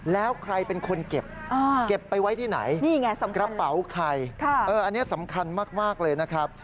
แล้วใครเป็นคนเก็บเก็บไปไว้ที่ไหนกระเป๋าใครอันนี้สำคัญมากเลยนะครับ